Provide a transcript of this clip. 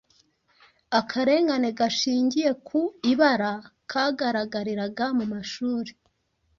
Akarengane gashingiye ku ibara kagaragariraga mu mashuri